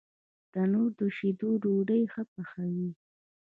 تنور د شیدو ډوډۍ ښه پخوي